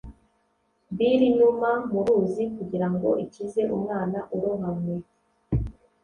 bill inuma mu ruzi kugirango ikize umwana urohamye